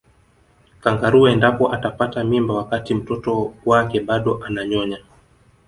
kangaroo endapo atapata mimba wakati mtoto wake bado ananyonya